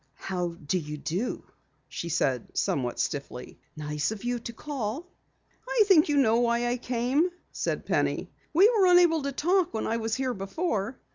"How do you do," she said somewhat stiffly. "Nice of you to call." "I think you know why I came," said Penny. "We were unable to talk when I was here before."